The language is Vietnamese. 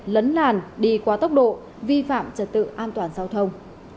lấn làn đi qua tốc độ vi phạm trật tự an toàn giao thông